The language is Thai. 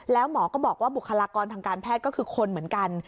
แล้วหมอก็บอกว่าบุคลากรทางการแพทย์ก็คือคนเหมือนกัน